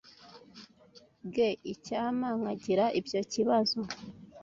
Gee, Icyampa nkagira ibyo kibazo.